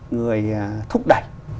người thúc đẩy